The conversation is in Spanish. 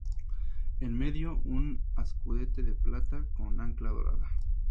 En medio, un escudete de plata con ancla dorada.